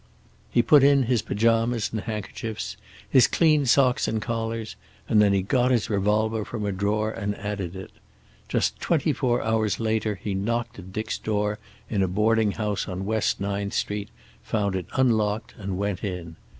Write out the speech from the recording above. He put in his pajamas and handkerchiefs, his clean socks and collars, and then he got his revolver from a drawer and added it. Just twenty four hours later he knocked at Dick's door in a boarding house on West Ninth Street, found it unlocked, and went in.